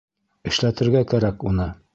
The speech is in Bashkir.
Эшләтергә кәрәк уны.